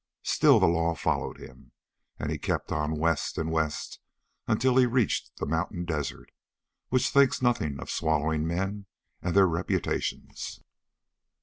Still the law followed him, and he kept on west and west until he reached the mountain desert, which thinks nothing of swallowing men and their reputations.